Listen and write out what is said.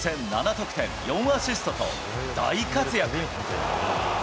得点４アシストと大活躍。